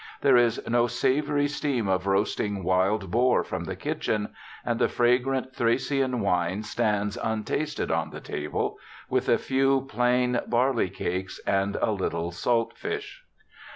There is no savory steam of roasting wild boar from the ELISHA BARTLETT 149 kitchen, and the fragrant Thracian wine stands untasted on the table, with a few plain barley cakes and a little salt fish.